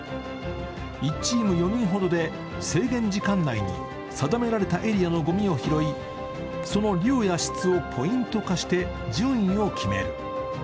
１チーム４人ほどで制限時間内に定められたエリアのごみを拾い、その量や質をポイント化して順位を決める。